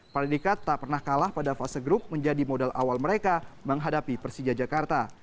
predikat tak pernah kalah pada fase grup menjadi modal awal mereka menghadapi persija jakarta